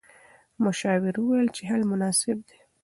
مشاور وویل چې حل مناسب دی.